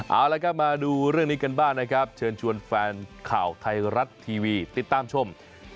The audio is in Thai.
เอาละครับมาดูเรื่องนี้กันบ้างนะครับเชิญชวนแฟนข่าวไทยรัฐทีวีติดตามชม